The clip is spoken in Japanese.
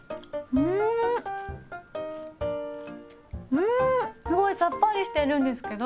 うんすごいさっぱりしてるんですけど。